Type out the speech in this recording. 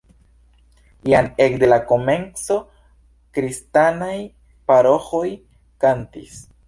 Jam ekde la komenco kristanaj paroĥoj kantis.